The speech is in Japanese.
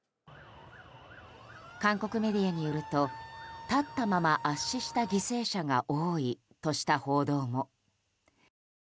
韓国メディアによると立ったまま圧死した犠牲者が多いとした報道も。